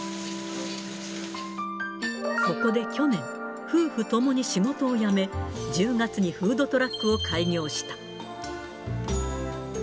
そこで去年、夫婦ともに仕事を辞め、１０月にフードトラックを開業した。